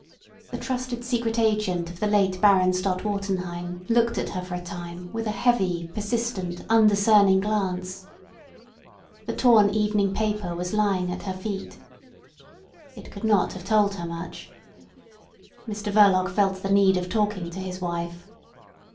The trusted secret agent of the late Baron Stott Wartenheim looked at her for a time with a heavy, persistent, undiscerning glance. The torn evening paper was lying at her feet. It could not have told her much. Mr Verloc felt the need of talking to his wife.